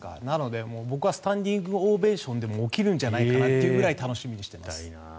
なので、僕はスタンディングオベーションでも起きるんじゃないかなというぐらい楽しみにしています。